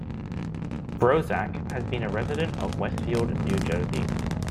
Brozak has been a resident of Westfield, New Jersey.